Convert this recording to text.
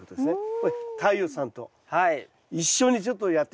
これ太陽さんと一緒にちょっとやってみて下さい。